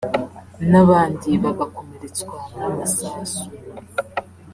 n’abandi bagakomeretswa n’amasasu